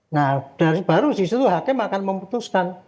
nah dari baru disitu hakim akan memutuskan